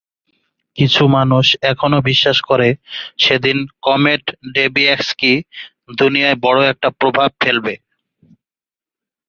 কিছু মানুষ এখনও বিশ্বাস করে সেদিন কমেট ডেবিয়্যাস্কি দুনিয়ায় বড় একটা প্রভাব ফেলবে!